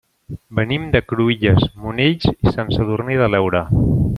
Venim de Cruïlles, Monells i Sant Sadurní de l'Heura.